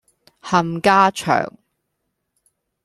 冚家祥